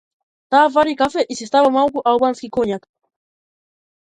Таа вари кафе и си става малку албански коњак.